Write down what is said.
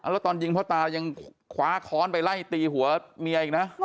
แล้วตอนยิงพ่อตายังคว้าค้อนไปไล่ตีหัวเมียอีกนะ